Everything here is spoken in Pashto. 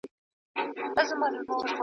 ایا ته هره ورځ مطالعه کوې؟